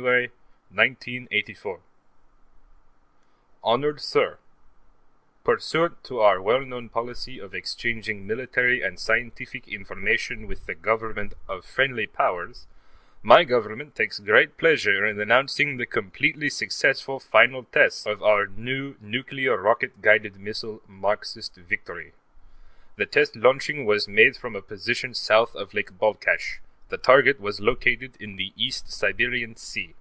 1984 Honored Sir: Pursuant to our well known policy of exchanging military and scientific information with the Government, of friendly Powers, my Government takes great pleasure in announcing the completely successful final tests of our new nuclear rocket guided missile Marxist Victory. The test launching was made from a position south of Lake Balkash; the target was located in the East Siberian Sea.